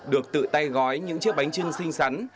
được tự tay gói những chiếc bánh trưng xinh xắn